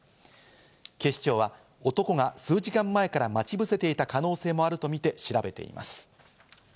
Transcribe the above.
警視庁は男は数時間前から待ち伏せていた可能性もあるとみて調べています。